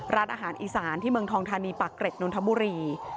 ร้านอาหารอีสานที่เมืองทองธานีปากเกร็ดนนทบุรี